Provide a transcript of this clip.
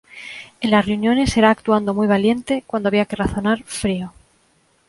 En las reuniones era actuando muy valiente, cuando había que razonar, frío.